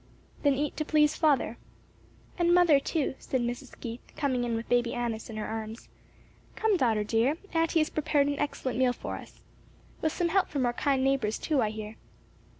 "Then eat to please father." "And mother too," said Mrs. Keith coming in with Baby Annis in her arms. "Come, daughter, dear, auntie has prepared an excellent meal for us. With some help from our kind neighbors too, I hear."